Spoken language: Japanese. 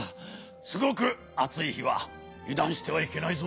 すごくあついひはゆだんしてはいけないぞ。